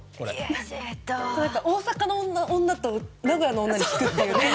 大阪の女と名古屋の女に聞くっていう。